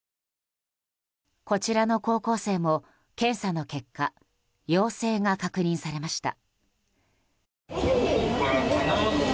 こちらの高校生も検査の結果陽性が確認されました。